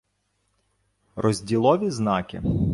Розділові знаки